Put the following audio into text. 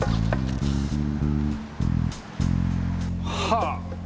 はあ！